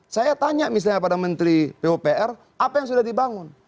saya tanya misalnya pada menteri pupr apa yang sudah dibangun